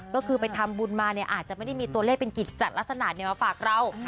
ก็คือไปทำบุญมาเนี่ยอาจจะไม่ได้มีตัวเลขเป็นกิจจัดลักษณะมาฝากเรา